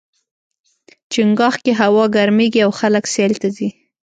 چنګاښ کې هوا ګرميږي او خلک سیل ته ځي.